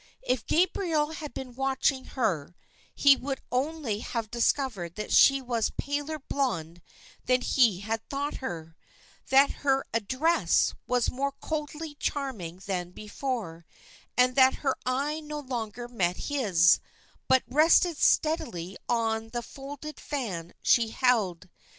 If Gabriel had been watching her he would only have discovered that she was a paler blonde than he had thought her; that her address was more coldly charming than before; and that her eye no longer met his, but rested steadily on the folded fan she held.